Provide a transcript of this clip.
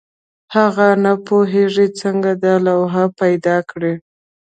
هغه نه پوهېږي څنګه دا لوحه پیدا کړي.